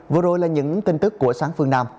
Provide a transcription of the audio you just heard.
vừa rồi là những tin tức của sáng phương nam